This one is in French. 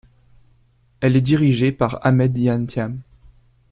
Elle est dirigée par Ahmed Iyane Thiam.